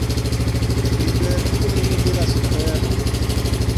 Liberigu min de la sufero!